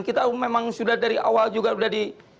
kita memang sudah dari awal juga sudah di